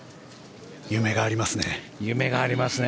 夢がありますね。